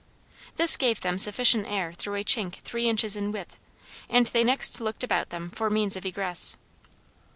This gave them sufficient air through a chink three inches in width; and they next looked about them for means of egress.